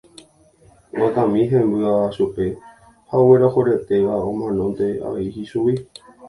vakami hembýva chupe ha oguerohoryetéva omanónte avei ichugui